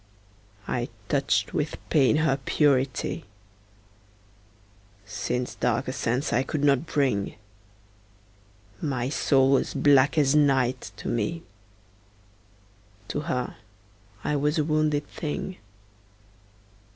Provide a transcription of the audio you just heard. I touched with pain her purity; Sin's darker sense I could not bring: My soul was black as night to me: To her I was a wounded thing.